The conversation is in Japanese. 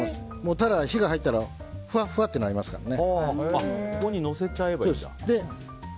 タラ、火が入ったらふわっふわってなりますからね。